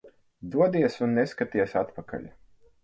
Dodies un neskaties atpakaļ.